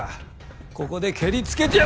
ここでケリつけてや。